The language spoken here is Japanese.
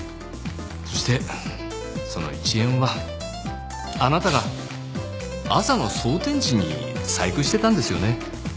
そしてその１円はあなたが朝の装填時に細工してたんですよね。